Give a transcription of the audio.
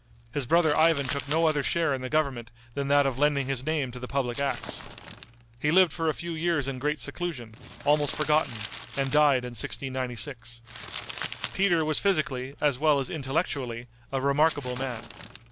His brother Ivan took no other share in the government than that of lending his name to the public acts. He lived for a few years in great seclusion, almost forgotten, and died in 1696. Peter was physically, as well as intellectually, a remarkable man.